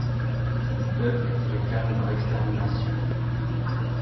Le peuple réclame leur extermination.